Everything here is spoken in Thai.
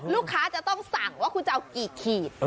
ลูกค้าจะต้องสั่งว่าคุณจะเอากี่ขีด